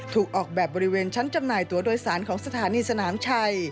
ถูกออกแบบบริเวณชั้นจำหน่ายตัวโดยสารของสถานีสนามชัย